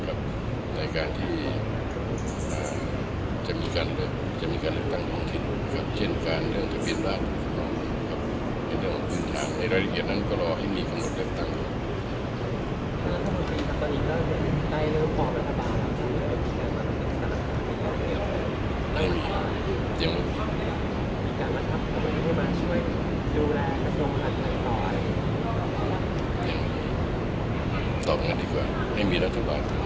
ตอบกันกันดีกว่าไม่มีแล้วทุกวันไม่มีแล้วทุกวันไม่มีแล้วทุกวัน